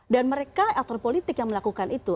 dan mereka aktor politik yang melakukan itu